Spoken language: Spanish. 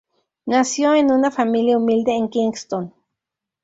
Nació en una familia humilde en Kingston.